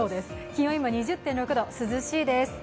気温は今２０．６度、涼しいです。